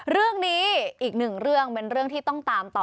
เรื่องนี้อีกหนึ่งเรื่องเป็นเรื่องที่ต้องตามต่อ